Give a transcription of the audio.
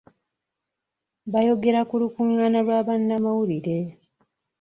Bayogera ku lukungaana lwa bannamawulire .